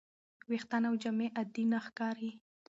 ویښتان او جامې عادي نه ښکاري.